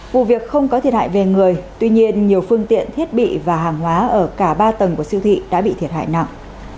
vụ việc không có thiệt hại về người tuy nhiên nhiều phương tiện thiết bị và hàng hóa ở cả ba tầng của siêu thị đã bị thiệt hại nặng